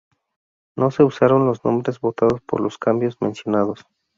No se usaron los nombres votados por los cambios mencionados.